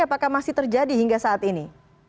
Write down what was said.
apakah masih terjadi hingga saat ini